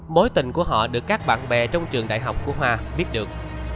mối tình của họ được các bạn bè trong trường đại học của hoa viết được